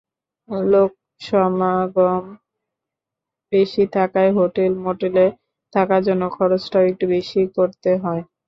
লোকসমাগম বেশি থাকায় হোটেল-মোটেলে থাকার জন্য খরচটাও একটু বেশিই করতে হয়।